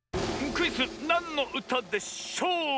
クイズ「なんのうたでしょう」！